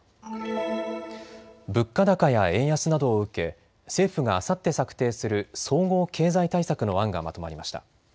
物価高や円安などを受け政府があさって策定する総合経済対策の案がまとまりました。